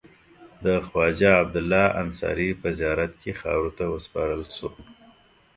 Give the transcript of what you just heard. د خواجه عبدالله انصاري په زیارت کې خاورو ته وسپارل شو.